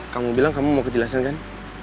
kamu bilang kamu mau kejelasan kan